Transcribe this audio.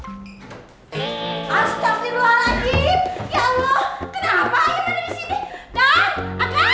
kenapa ayam ada disini